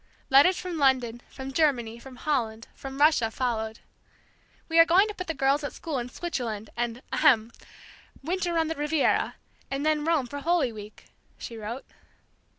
Letters from London, from Germany, from Holland, from Russia, followed. "We are going to put the girls at school in Switzerland, and (ahem!) winter on the Riviera, and then Rome for Holy Week!" she wrote.